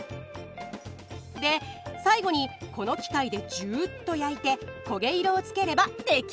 で最後にこの機械でジューっと焼いて焦げ色をつければ出来上がり！